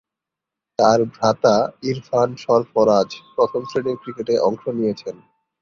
তার ভ্রাতা ইরফান সরফরাজ প্রথম-শ্রেণীর ক্রিকেটে অংশ নিয়েছেন।